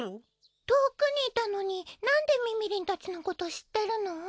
遠くにいたのになんでみみりんたちのこと知ってるの？